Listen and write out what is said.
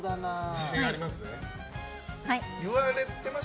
自信あります？